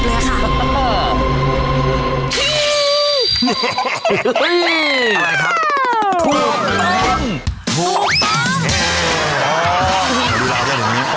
อะไรครับทูบป้อง